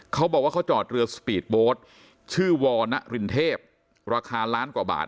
เขาบอกว่าเขาจอดเรือสปีดโบสต์ชื่อวอนรินเทพราคาล้านกว่าบาท